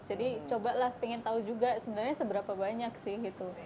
jadi cobalah pengen tahu juga sebenarnya seberapa banyak sih gitu